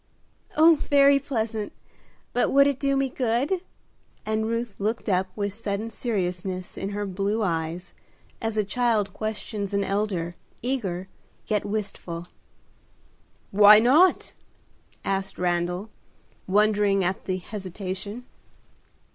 "Oh, very pleasant! but would it do me good?" and Ruth looked up with sudden seriousness in her blue eyes, as a child questions an elder, eager, yet wistful. "Why not?" asked Randal, wondering at the hesitation.